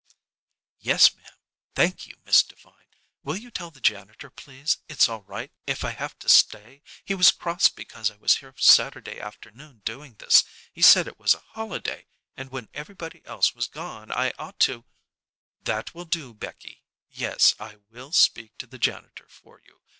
"Yes, ma'am. Thank you, Miss Devine. Will you tell the janitor, please, it's all right if I have to stay? He was cross because I was here Saturday afternoon doing this. He said it was a holiday, and when everybody else was gone I ought to " "That will do, Becky. Yes, I will speak to the janitor for you.